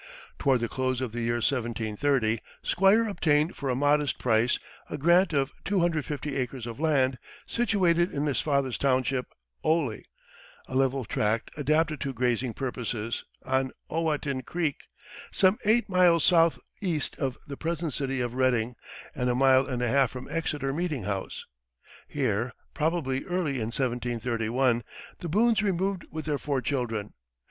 Toward the close of the year 1730, Squire obtained for a modest price a grant of 250 acres of land situated in his father's township, Oley a level tract adapted to grazing purposes, on Owatin Creek, some eight miles southeast of the present city of Reading, and a mile and a half from Exeter meeting house. Here, probably early in 1731, the Boones removed with their four children.